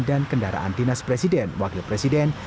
dan kendaraan dinas presiden wakil presiden